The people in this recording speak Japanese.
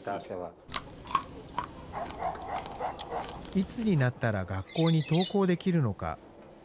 いつになったら学校に登校できるのか。